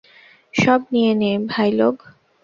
সব নিয়ে নে, ভাইলোগ।